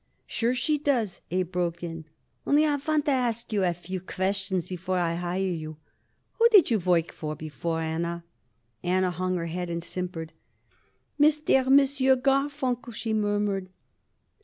"Sure she does," Abe broke in. "Only I want to ask you a few questions before I hire you. Who did you work by before, Anna?" Anna hung her head and simpered. "Mister M. Garfunkel," she murmured.